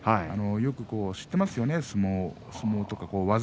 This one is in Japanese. よく知っていますよね、相撲を。